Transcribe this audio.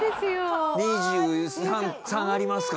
「２３ありますか？」